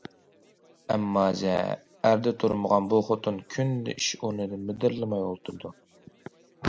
ئەممازە، ئەردە تۇرمىغان بۇ خوتۇن، كۈندە ئىش ئورنىدا مىدىرلىماي ئولتۇرىدۇ.